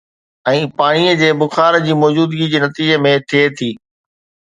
۽ پاڻيء جي بخار جي موجودگي جي نتيجي ۾ ٿئي ٿي